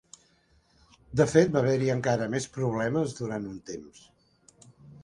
De fet, va haver-hi encara més problemes durant un temps.